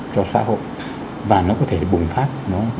cho xã hội và nó có thể bùng phát